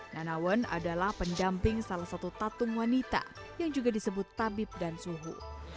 nanawen adalah pendamping salah satu tatung wanita yang juga disebut tabib dan suhu